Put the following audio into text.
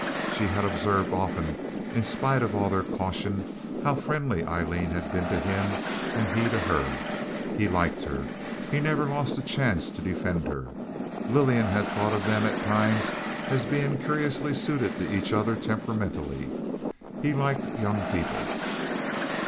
She had observed often, in spite of all their caution, how friendly Aileen had been to him and he to her. He liked her; he never lost a chance to defend her. Lillian had thought of them at times as being curiously suited to each other temperamentally. He liked young people.